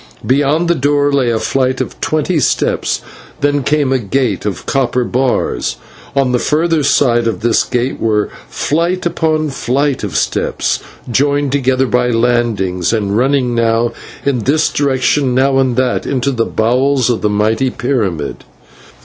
Beyond the door lay a flight of twenty steps, then came a gate of copper bars. On the further side of this gate were flight upon flight of steps, joined together by landings, and running, now in this direction now in that, into the bowels of the mighty pyramid.